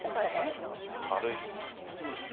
軽い。